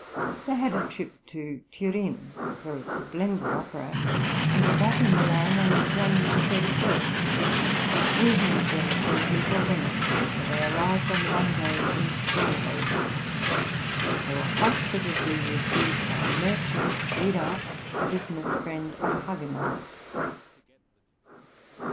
They had a trip to Turin, saw a splendid opera, and were back in Milan on January 31, leaving again shortly for Venice, where they arrived on the Monday in Carnival week. They were hospitably received by a merchant, Wider, a business friend of Hagenauer's.